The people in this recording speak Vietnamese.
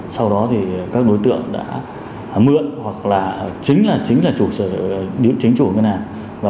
sau đó thì các đối tượng đã mượn hoặc là chính là chủ sở điểm chính chủ ngân hàng